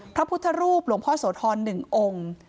พระพุทธรูปหลวงพ่อโสธร๑องค์